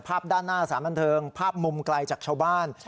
ด้านหน้าสารบันเทิงภาพมุมไกลจากชาวบ้าน